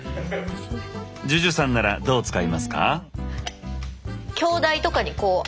ＪＵＪＵさんならどう使いますか？